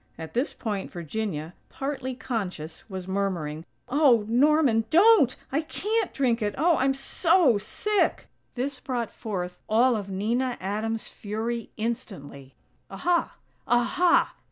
At this point Virginia, partly conscious, was murmuring: "Oh, Norman! Don't!! I can't drink it! Oh! I'm so sick!!" This brought forth all of Nina Adams' fury instantly. "_Aha! Aha!